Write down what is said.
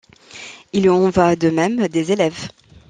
Il en va de même des élèves.